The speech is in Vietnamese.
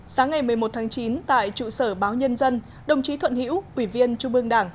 sáng ngày một mươi một tháng chín tại trụ sở báo nhân dân đồng chí thuận hiễu quỷ viên trung ương đảng